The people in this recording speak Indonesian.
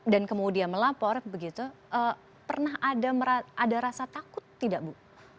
dan kemudian melapor begitu pernah ada merasa ada rasa takut tidak bu